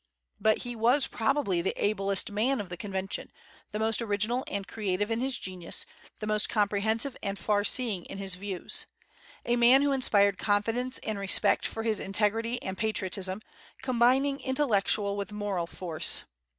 But he was probably the ablest man of the convention, the most original and creative in his genius, the most comprehensive and far seeing in his views, a man who inspired confidence and respect for his integrity and patriotism, combining intellectual with moral force.